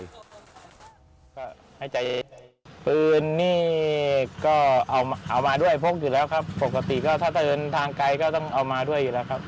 ก็ให้ใจปืนนี่ก็เอามาด้วยพกอยู่แล้วครับปกติก็ถ้าจะเดินทางไกลก็ต้องเอามาด้วยอยู่แล้วครับ